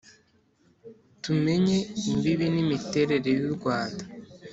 tumenye imbibi n'imiterere y'u rwanda